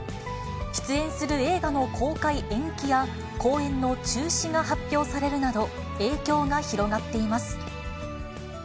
出演する映画の公開延期や、公演の中止が発表されるなど、影響が広がっています。